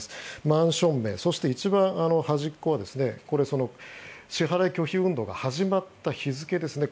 マンション名そして一番端っこは支払い拒否運動が始まった日付ですね